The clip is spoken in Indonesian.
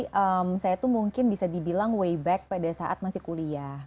jadi saya tuh mungkin bisa dibilang way back pada saat masih kuliah